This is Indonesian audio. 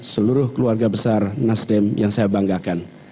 seluruh keluarga besar nasdem yang saya banggakan